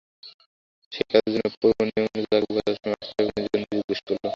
সেই কাজের জন্যে পূর্বনিয়মমত তাকে যথাসময়ে আসতে হবে কি না বঙ্কু জিজ্ঞাসা করলে।